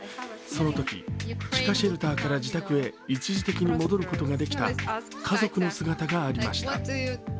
そのとき地下シェルターから自宅へ一時的に戻ることができた家族の姿がありました。